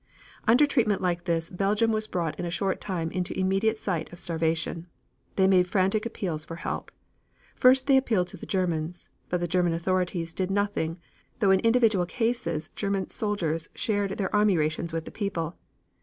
Under treatment like this Belgium was brought in a short time into immediate sight of starvation. They made frantic appeals for help. First they appealed to the Germans, but the German authorities did nothing, though in individual cases German soldiers shared their army rations with the people.